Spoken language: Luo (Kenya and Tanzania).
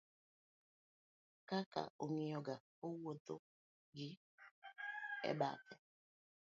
ka ka ong'iyo ga owuodho ga e bathe